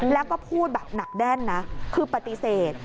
แล้วก็พูดแบบหนักแน่นนะคือปฏิเสธ